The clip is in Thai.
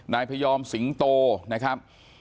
นายพยอมสิงโตนะครับ